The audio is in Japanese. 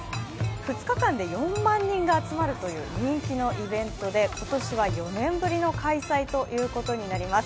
２日間で４万人が集まるという人気のイベントで今年は４年ぶりの開催ということになります。